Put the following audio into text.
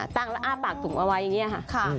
ตั้งแล้วอ้าปากถุงเอาไว้อย่างนี้ค่ะ